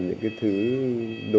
những cái thứ đồ xưa